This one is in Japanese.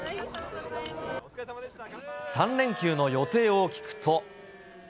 ３連休の予定を聞くと。